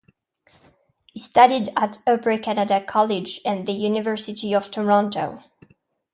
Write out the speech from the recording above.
He studied at Upper Canada College and the University of Toronto.